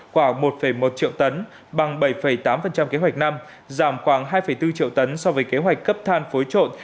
quả một một triệu tấn bằng bảy tám kế hoạch năm giảm khoảng hai bốn triệu tấn so với kế hoạch cấp than phối trộn